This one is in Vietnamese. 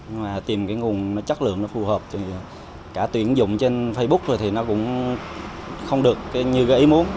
mà tìm cái nguồn chất lượng nó phù hợp thì cả tuyển dụng trên facebook rồi thì nó cũng không được như cái ý muốn